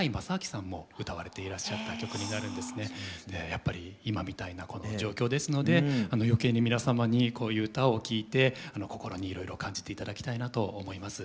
やっぱり今みたいなこの状況ですので余計に皆様にこういう歌を聴いて心にいろいろ感じて頂きたいなと思います。